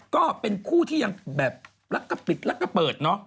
ก็เป็นคู่ที่ยังแบบรักกะปิดลักกะเปิดเนอะ